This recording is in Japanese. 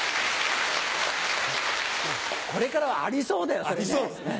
これからはありそうだよそれね。